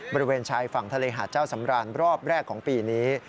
บริเวณชายฝั่งทะเลหาดเจ้าสำราญรอบแรกของปีนี้